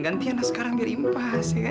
ganti anak sekarang biar impas ya kan